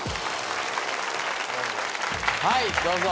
はいどうぞ。